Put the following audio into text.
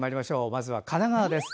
まずは神奈川です。